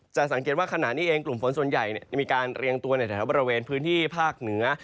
สังเกตว่าขณะนี้เองกลุ่มฝนส่วนใหญ่มีการเรียงตัวในแถวบริเวณพื้นที่ภาคเหนือ